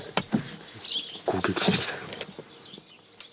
攻撃してきたよ。